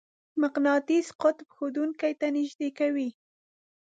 مقناطیس قطب ښودونکې ته نژدې کوو.